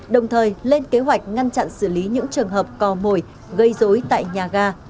đồng thời lên kế hoạch ngăn chặn xử lý những trường hợp cò mồi gây dối tại nhà ga